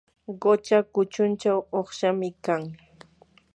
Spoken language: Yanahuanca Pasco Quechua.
qucha kuchunchaw uqshami kan.